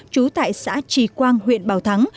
chú tại xã trì quang huyện bảo thắng